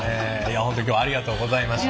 本当に今日はありがとうございました。